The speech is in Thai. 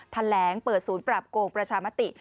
แถลงเปิดศูนย์ปรับโกงประชามติ